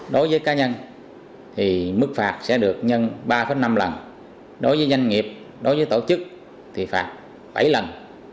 đối với cá nhân thì mức phạt sẽ được nhân ba năm lần đối với doanh nghiệp đối với tổ chức thì phạt bảy lần